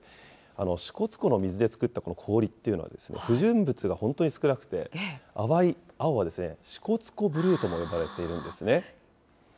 支笏湖の水で作ったこの氷というのは、不純物が本当に少なくて、淡い青は支笏湖ブルーとも呼ばれているきれいですね。